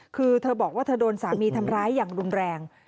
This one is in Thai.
คือเธอบอกว่าเธอโดนสามีทำร้ายอย่างรุนแรง